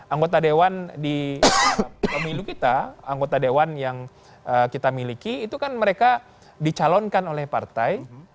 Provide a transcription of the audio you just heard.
anggota dewan di pemilu kita anggota dewan yang kita miliki itu kan mereka dicalonkan oleh partai